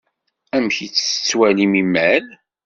Amek ay tettwalim imal?